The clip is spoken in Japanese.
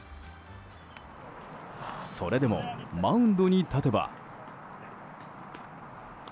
それでもマウンドに立てば。